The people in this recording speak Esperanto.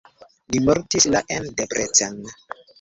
Li mortis la en Debrecen.